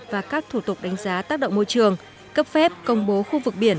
và các thủ tục đánh giá tác động môi trường cấp phép công bố khu vực biển